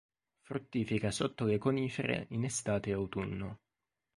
Fruttifica sotto le conifere in estate-autunno.